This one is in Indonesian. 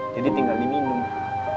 jadi tinggal ini minum